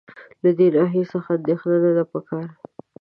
له دې ناحیې څخه اندېښنه نه ده په کار.